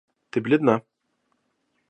Ты бледна.